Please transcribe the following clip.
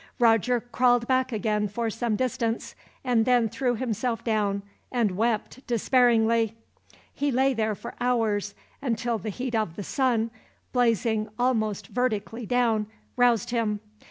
Roger crawled back again for some distance, and then threw himself down, and wept despairingly. He lay there for hours, until the heat of the sun, blazing almost vertically down, roused him.